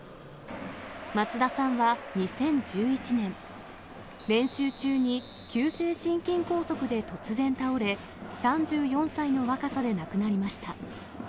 松田さんは２０１１年、練習中に急性心筋梗塞で突然倒れ、３４歳の若さで亡くなりました。